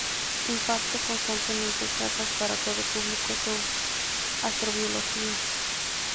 Imparte constantemente charlas para todo público sobre astrobiología.